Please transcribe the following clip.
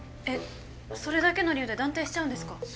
えっそれだけの理由で断定しちゃうんですか？